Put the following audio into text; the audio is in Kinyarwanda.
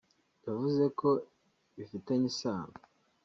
yavuze ko bifitanye isano